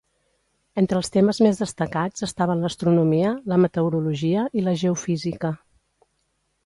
Entre els temes més destacats estaven l’astronomia, la meteorologia i la geofísica.